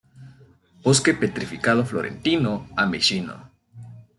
Bosque Petrificado Florentino Ameghino.